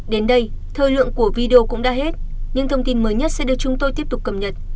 đến đây thời lượng của video cũng đã hết những thông tin mới nhất sẽ được chúng tôi tiếp tục cập nhật